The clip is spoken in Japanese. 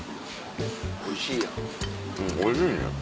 おいしいやん。